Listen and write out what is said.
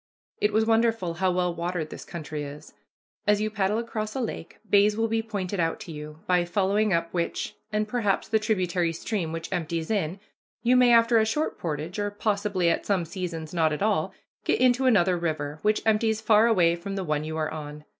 It is wonderful how well watered this country is. As you paddle across a lake, bays will be pointed out to you, by following up which, and perhaps the tributary stream which empties in, you may, after a short portage, or possibly, at some seasons, none at all, get into another river, which empties far away from the one you are on.